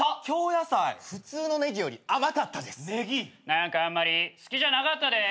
何かあんまり好きじゃなかったです。